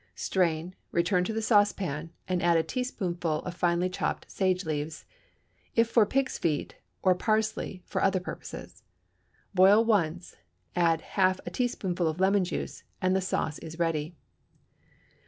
Strain, return to the saucepan, and add a teaspoonful of finely chopped sage leaves, if for pigs' feet, or parsley for other purposes; boil once, add half a teaspoonful of lemon juice, and the sauce is ready.